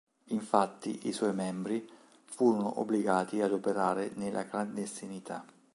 Infatti i suoi membri furono obbligati ad operare nella clandestinità.